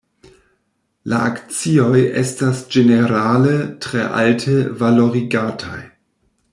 La akcioj estas ĝenerale tre alte valorigataj.